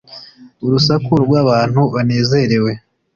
urusaku rw abantu banezerewe